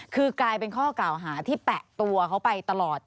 คือกลายเป็นข้อกล่าวหาที่แปะตัวเขาไปตลอด